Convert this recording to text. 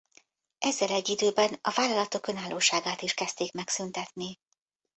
Ezzel egy időben a vállalatok önállóságát is kezdték megszüntetni.